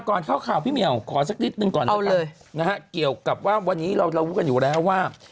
ขอสักนิดหนึ่งก่อนนะครับเกี่ยวกับว่าวันนี้เรารู้กันอยู่แล้วว่า